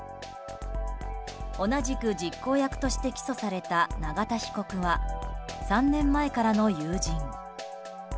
同じく実行役として起訴された永田被告は３年前からの友人。